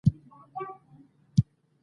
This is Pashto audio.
وخت د انسان تر ټولو قیمتي سرمایه ده